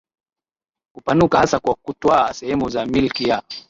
kupanuka hasa kwa kutwaa sehemu za milki ya